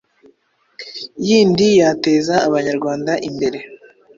yindi yateza abanyarwanda imbere